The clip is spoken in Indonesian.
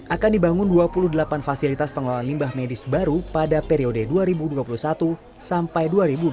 akan dibangun dua puluh delapan fasilitas pengelolaan limbah medis baru pada periode dua ribu dua puluh satu sampai dua ribu dua puluh